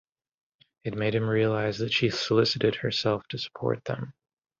It made him realize that she solicited herself to support them.